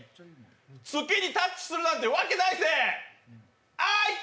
月にタッチするなんてわけないぜ。